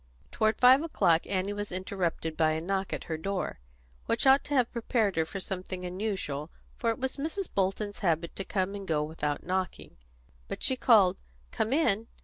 Toward five o'clock Annie was interrupted by a knock at her door, which ought to have prepared her for something unusual, for it was Mrs. Bolton's habit to come and go without knocking. But she called "Come in!"